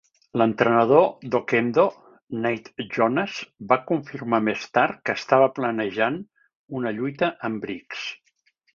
L'entrenador d'Oquendo, Nate Jones, va confirmar més tard que estava planejant una lluita amb Briggs.